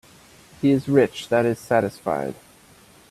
He is rich that is satisfied.